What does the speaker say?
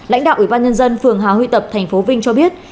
lãnh đạo ủy ban nhân dân phường hà huy tập thành phố vinh cho biết